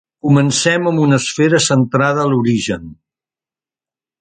Comencem amb una esfera centrada a l'origen.